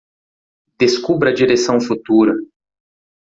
Descubra a direção futura